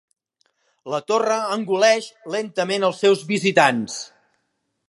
La torre engoleix lentament els seus visitants.